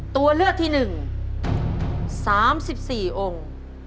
ตัวเลือกที่๑๓๔องค์